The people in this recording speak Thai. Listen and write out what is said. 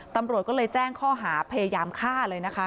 ตำรวจก็เลยแจ้งข้อหาพยายามฆ่าเลยนะคะ